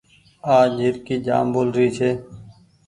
آج جهرڪي جآم ٻول ري ڇي۔